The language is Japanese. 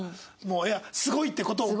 いやすごいって事をね。